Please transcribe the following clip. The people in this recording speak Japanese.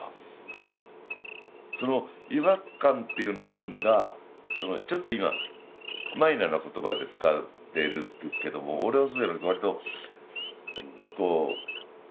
その違和感っていうのがちょっと今マイナーな言葉で使ってるけども俺はそうじゃなくてわりとこう何？